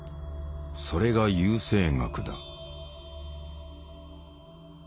それが優生学だ。